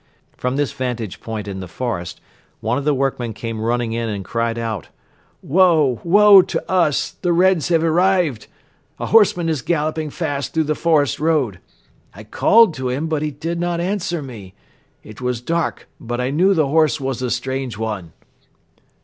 From this vantage point in the forest one of the workmen came running in and cried out: "Woe, woe to us! The Reds have arrived. A horseman is galloping fast through the forest road. I called to him but he did not answer me. It was dark but I knew the horse was a strange one."